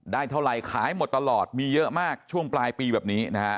เท่าไหร่ขายหมดตลอดมีเยอะมากช่วงปลายปีแบบนี้นะฮะ